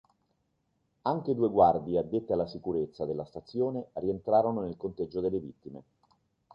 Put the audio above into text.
Anche due guardie addette alla sicurezza della stazione rientrarono nel conteggio delle vittime.